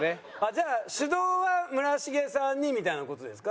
じゃあ主導は村重さんにみたいな事ですか？